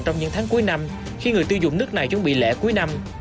trong những tháng cuối năm khi người tiêu dùng nước này chuẩn bị lễ cuối năm